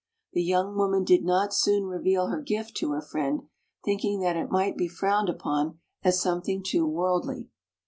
The young woman did not soon reveal her gift to her friend, thinking that it might be frowned upon as something too worldly.